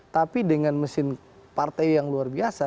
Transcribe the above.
tapi dengan mesin partai yang luar biasa